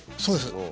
そうです。